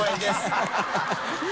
ハハハ